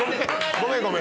ごめんごめん。